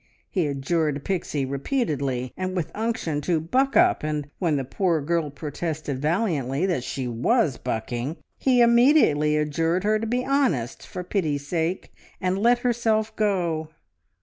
He adjured Pixie repeatedly, and with unction, to "Buck up!" and when the poor girl protested valiantly that she was bucking, immediately adjured her to be honest, for pity's sake, and "let herself go!"